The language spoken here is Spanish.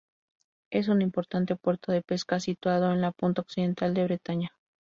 Es un importante puerto de pesca situado en la punta occidental de Bretaña.